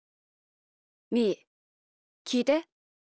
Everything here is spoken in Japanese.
みーきいて。